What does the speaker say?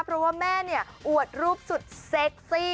เพราะว่าแม่เนี่ยอวดรูปสุดเซ็กซี่